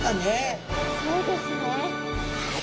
そうですね。